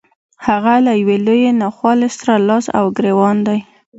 هغه له يوې لويې ناخوالې سره لاس او ګرېوان دی.